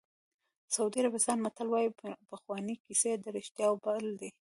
د سعودي عربستان متل وایي پخوانۍ کیسې د رښتیاوو پل دی.